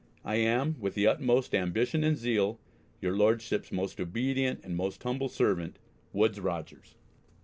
I am, with the utmost ambition and zeal Your Lordships' most obedient and most humble servant, WOODES ROGERS.